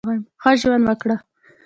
ښه ژوند وکړه !